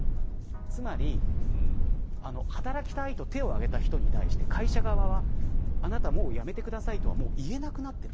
つまり働きたいと手を挙げた人に対して会社側は、あなた、もうやめてくださいと言えなくなっている。